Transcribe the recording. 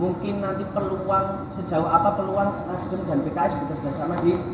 mungkin nanti peluang sejauh apa peluang nasdem dan pks bekerjasama di